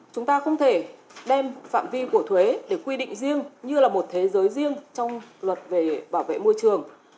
chúng ta không thể đem phạm vi của thuế để quy định riêng như là một thế giới riêng trong luật về bảo vệ môi trường